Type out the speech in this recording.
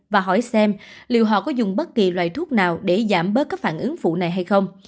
và hỏi xem liệu họ có dùng bất kỳ loại thuốc nào để giảm bớt các phản ứng phụ này hay không